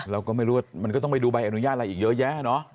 เราก็ไม่รู้ว่ามันก็ต้องไปดูใบอนุญาตอะไรอีกเยอะแยะเนาะ